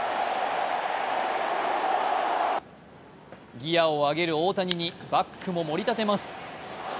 ギアを上げる大谷にバックももり立てます。